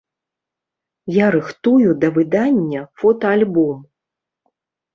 Я рыхтую да выдання фотаальбом.